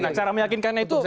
nah cara meyakinkannya itu